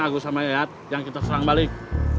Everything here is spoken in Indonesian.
masa latihan tinju lembek